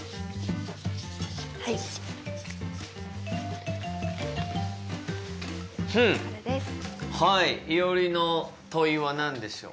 いおりの問いは何でしょう？